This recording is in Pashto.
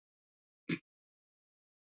څنګه کولی شم د جګړې پر مهال ارام پاتې شم